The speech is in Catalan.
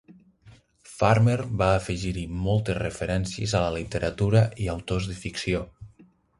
Farmer va afegir-hi moltes referències a la literatura i autors de ficció...